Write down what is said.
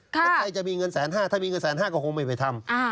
แล้วใครจะมีเงินแสนห้าถ้ามีเงินแสนห้าก็คงไม่ไปทำ